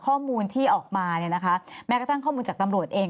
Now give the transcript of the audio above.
ข้อมูลที่ออกมาแม้กระทั่งข้อมูลจากตำรวจเอง